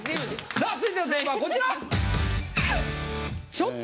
さあ続いてのテーマはこちら！